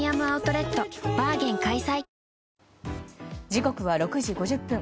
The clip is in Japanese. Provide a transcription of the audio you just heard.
時刻は６時５０分。